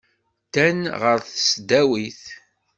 Ddan ɣer tesdawit.